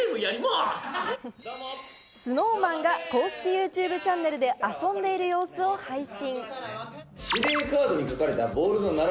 ＳｎｏｗＭａｎが公式ＹｏｕＴｕｂｅチャンネルで遊んでいる様子を配信。